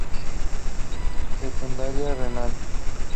Secundaria: renal.